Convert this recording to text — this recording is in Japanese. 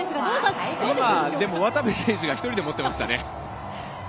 渡部選手が１人で持っていましたね。